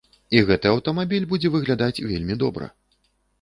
І гэты аўтамабіль будзе выглядаць вельмі добра.